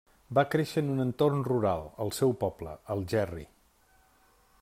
Va créixer en un entorn rural, al seu poble, Algerri.